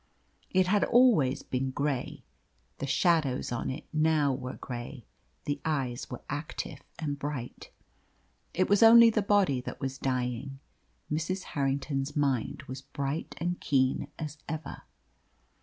It had always been grey; the shadows on it now were grey; the eyes were active and bright. It was only the body that was dying; Mrs. Harrington's mind was bright and keen as ever.